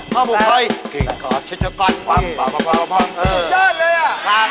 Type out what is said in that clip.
พ่อบุ๊คณยกิงกอดชยัดบั้มปว่ำ